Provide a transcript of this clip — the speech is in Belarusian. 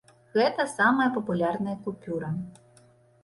Гэта самая папулярная купюра.